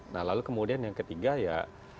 nah lalu kemudian yang ketiga ya